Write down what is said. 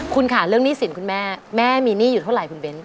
คุณค่ะเรื่องหนี้สินคุณแม่แม่มีหนี้อยู่เท่าไหร่คุณเบ้น